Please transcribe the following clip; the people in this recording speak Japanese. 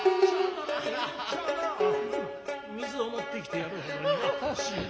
水を持ってきてやろうほどにな。